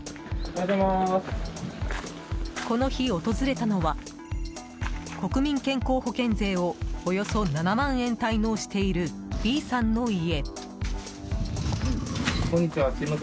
この日、訪れたのは国民健康保険税をおよそ７万円滞納しているＢさんの家。